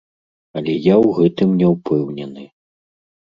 Але я ў гэтым не ўпэўнены.